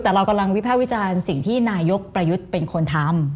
แต่เรากำลังวิภาควิจารณ์สิ่งที่นายกประยุทธ์เป็นคนทำ